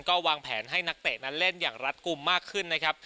ก็วางแผนให้นักเตะนั้นเล่นอย่างรัฐกลุ่มมากขึ้นนะครับ